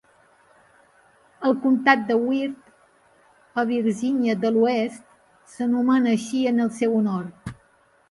El comptat de Wirt, a Virgínia de l'Oest, s'anomena així en el seu honor.